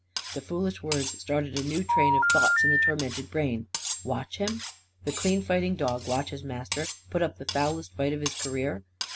The foolish words started a new train of thoughts in the tormented brain. Watch him? The clean fighting dog watch his master put up the foulest fight of his career?